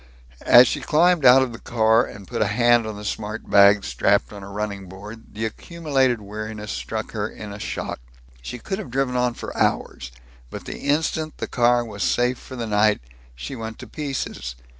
As she climbed out of the car and put a hand on the smart bags strapped on a running board, the accumulated weariness struck her in a shock. She could have driven on for hours, but the instant the car was safe for the night, she went to pieces.